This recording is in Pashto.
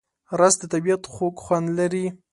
رس د طبیعت خوږ خوند لري